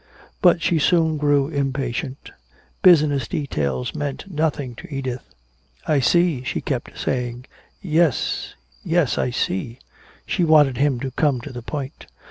But she soon grew impatient. Business details meant nothing to Edith. "I see," she kept saying, "yes, yes, I see." She wanted him to come to the point.